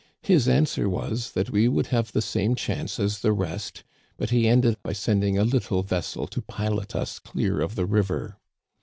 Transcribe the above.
His answer was, that we would have the same chance as the rest ; but he ended by sending a little vessel to pilot us clear of the river.